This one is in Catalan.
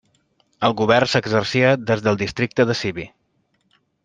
El govern s'exercia des del districte de Sibi.